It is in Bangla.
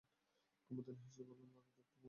কুমুদিনী হেসে বলে, না দাদা, একটুও না।